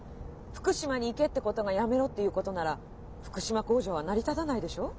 「福島に行け」ってことが「辞めろ」っていうことなら福島工場は成り立たないでしょう？